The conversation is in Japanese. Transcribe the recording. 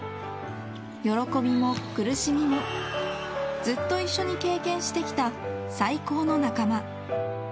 喜びも、苦しみもずっと一緒に経験してきた最高の仲間。